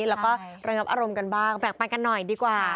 แล้วก็ระงับอารมณ์กันบ้างแบกไปกันหน่อยดีกว่า